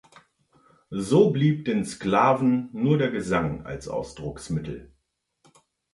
So blieb den Sklaven nur der Gesang als Ausdrucksmittel.